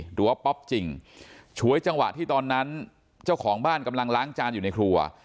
หรือว่าป๊อปจริงฉวยจังหวะที่ตอนนั้นเจ้าของบ้านกำลังล้างจานอยู่ในครัว